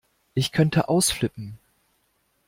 Ich könnte ausflippen!